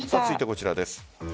続いてこちらです。